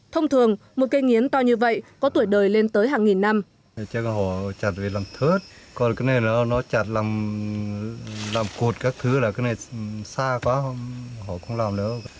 thông thường một cây nghiến to như vậy có tuổi đời lên tới hàng nghìn năm